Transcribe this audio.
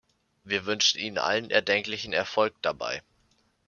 Wir wünschen Ihnen allen erdenklichen Erfolg dabei.